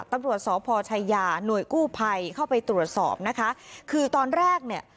ตำรวจสพชายาหน่วยกู้ภัยเข้าไปตรวจสอบนะคะคือตอนแรกเนี่ย